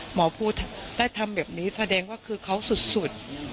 หมอภูได้ทำแบบนี้แสดงว่าคือเขาสุด